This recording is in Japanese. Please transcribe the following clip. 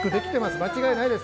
間違いないです。